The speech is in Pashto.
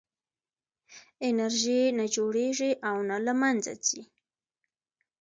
انرژي نه جوړېږي او نه له منځه ځي.